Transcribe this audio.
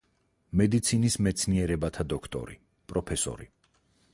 მედიცინის მეცნიერებათა დოქტორი, პროფესორი.